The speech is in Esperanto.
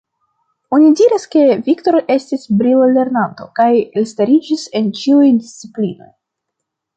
Oni diras ke, Viktor estis brila lernanto, kaj elstariĝis en ĉiuj disciplinoj.